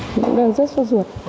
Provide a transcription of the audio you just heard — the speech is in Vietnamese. cũng đang rất xô ruột